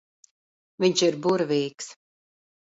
Viņš ir burvīgs.